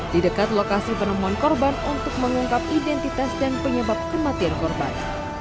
di dekat lokasi penemuan korban untuk mengungkap identitas dan penyebab kematian korban